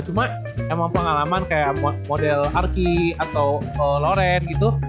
cuma emang pengalaman kayak model arki atau loren gitu